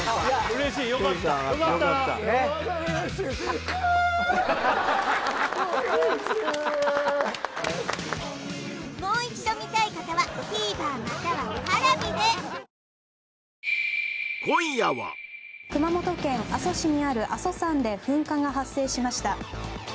嬉しいね・熊本県阿蘇市にある阿蘇山で噴火が発生しました